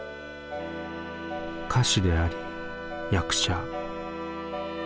歌手であり役者。